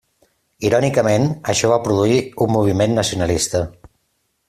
Irònicament, això va produir un moviment nacionalista.